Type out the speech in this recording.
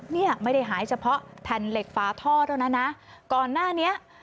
เนี้ยไม่ได้หายเฉพาะแถนเหล็กฟ้าท่อด้วยนะนะก่อนหน้านี้